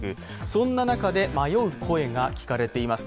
そんな中で迷う声が聞かれています。